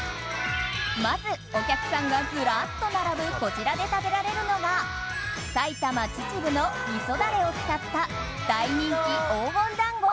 まず、お客さんがずらっと並ぶこちらで食べられるのが埼玉・秩父のみそダレを使った大人気、黄金団子。